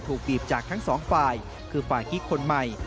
บีบจากทั้งสองฝ่ายคือฝ่ายกิ๊กคนใหม่